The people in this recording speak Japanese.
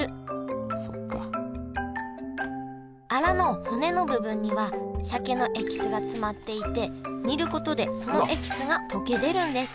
アラの骨の部分には鮭のエキスが詰まっていて煮ることでそのエキスが溶け出るんです